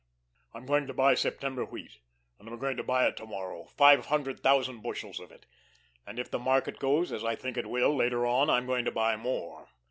I'm going to buy September wheat, and I'm going to buy it to morrow, five hundred thousand bushels of it, and if the market goes as I think it will later on, I'm going to buy more.